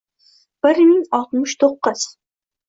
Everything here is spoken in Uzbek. bir ming oltmish to’qqiz